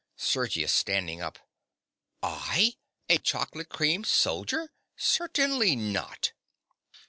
SERGIUS. (starting up). I! a chocolate cream soldier! Certainly not.